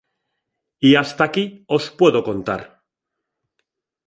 Y hasta aquí os puedo contar.